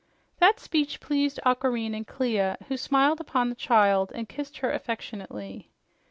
That speech pleased Aquareine and Clia, who smiled upon the child and kissed her affectionately.